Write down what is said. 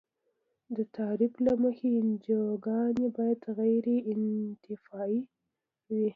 د تعریف له مخې انجوګانې باید غیر انتفاعي وي.